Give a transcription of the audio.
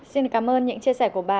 xin cảm ơn những chia sẻ của bà